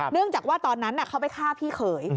เนื่องจากว่าตอนนั้นเขาไปฆ่าพี่เขย